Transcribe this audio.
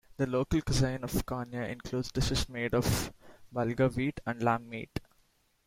The local cuisine of Konya includes dishes made of bulgur wheat and lamb meat.